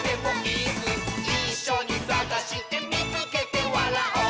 「いっしょにさがしてみつけてわらおう！」